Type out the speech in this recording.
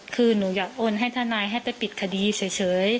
คือหนูอยากโอนให้ทนายให้ไปปิดคดีเฉย